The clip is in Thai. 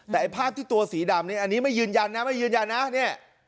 แต่ภาพที่ตัวสีดำนี้อันนี้ไม่ยืนยันนะนี่